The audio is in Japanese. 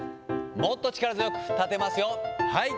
もっと力強く立てますよ、はい。